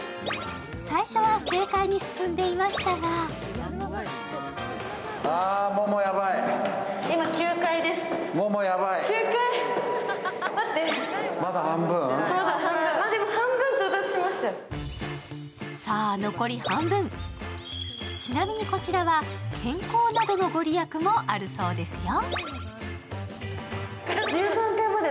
最初は軽快に進んでいましたが９階さあ残り半分、ちなみにこちらは健康などの御利益もあるそうですよ。